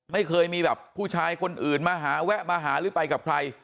ไม่เคยมีแบบผู้ชายคนอื่นมาหาแวะมาหาหรือไปกับใคร